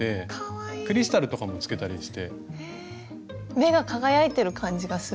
目が輝いてる感じがする。